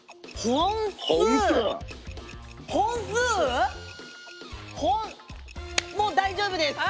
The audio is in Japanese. ホンもう大丈夫です。